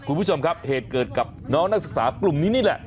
คุณผู้ชมครับเหตุเกิดกับน้องนักศึกษากลุ่มนี้นี่แหละ